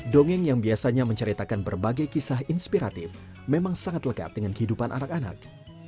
dongeng yang biasanya menceritakan berbagai kisah inspiratif memang sangat lekat dengan kehidupan anak anak